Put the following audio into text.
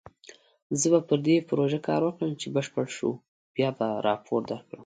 زه به په دې پروژه کار وکړم، چې بشپړ شو بیا به راپور درکړم